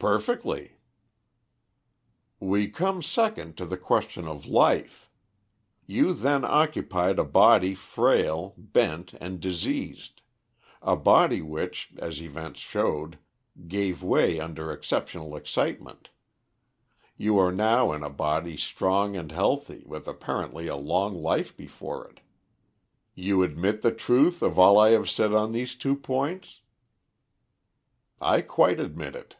"Perfectly." "We come (second) to the question of life. You then occupied a body frail, bent, and diseased, a body which, as events showed, gave way under exceptional excitement. You are now in a body strong and healthy, with apparently a long life before it. You admit the truth of all I have said on these two points?" "I quite admit it."